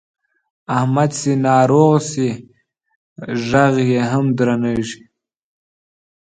احمد چې ناروغ شي غږ یې هم درنېږي.